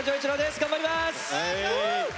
頑張ります！